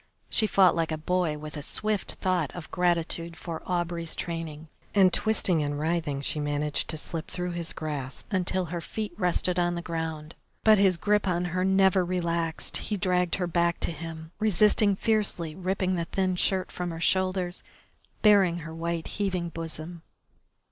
She fought like a boy with a swift thought of gratitude for Aubrey's training, and twisting and writhing she managed to slip through his grasp until her feet rested on the ground. But his grip on her never relaxed; he dragged her back to him, resisting fiercely, ripping the thin shirt from her shoulders, baring her white, heaving bosom.